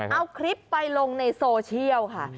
เอาคลิปไปลงในโซเชียลค่ะ